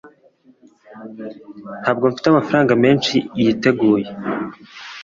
ntabwo mfite amafaranga menshi yiteguye